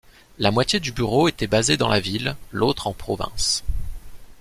La moitié du bureau était basée dans la ville, l'autre en province.